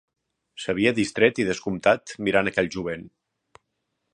S'havia distret i descomptat, mirant aquell jovent